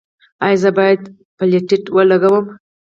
ایا زه باید پلیټلیټ ولګوم؟